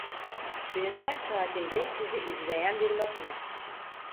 Günün her saatinde sizi izleyen bir makine.